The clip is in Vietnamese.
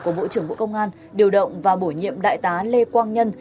của bộ trưởng bộ công an điều động và bổ nhiệm đại tá lê quang nhân